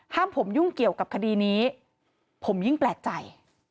ห้ามผมยุ่งเกี่ยวกับคดีนี้ผมยิ่งแปลกใจ